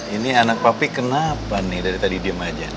ini anak papi kenapa nih dari tadi diem aja